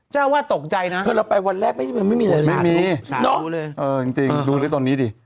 เจ้าว่าตกใจนะเพราะเราไปวันแรกมันไม่มีหลายล้านลูกสาวเลยเออจริงดูไปตรงนี้ดิ